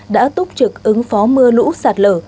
đã túc trực ứng phó mưa lũ sạt lở